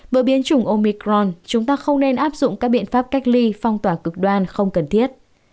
với biến chủng omicron chúng ta không nên áp dụng các biện pháp cách ly phong tỏa cực đoan không cần thiết